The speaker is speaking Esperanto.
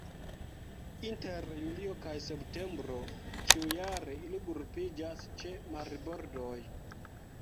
Inter julio kaj septembro ĉiujare ili grupiĝas ĉe marbordoj.